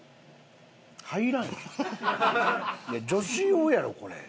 女子用やろこれ。